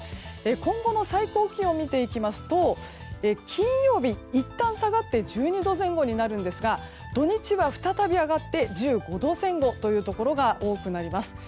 今後の最高気温を見ていきますと金曜日、いったん下がって１２度前後になるんですが土日は再び上がって１５度前後というところが多くなります。